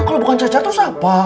kalau bukan cacar itu siapa